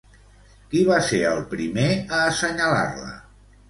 Qui va ser el primer a assenyalar-la?